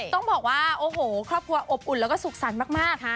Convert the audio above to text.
ต้องบอกว่าโอ้โหครอบครัวอบอุ่นแล้วก็สุขสรรค์มาก